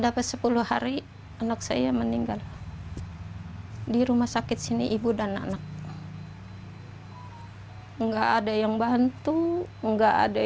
dapat sepuluh hari anak saya meninggal di rumah sakit sini ibu dan anak enggak ada yang bantu enggak ada